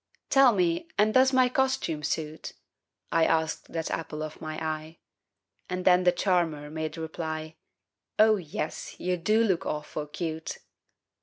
"Tell me and does my costume suit?" I asked that apple of my eye And then the charmer made reply, "Oh, yes, you do look awful cute!"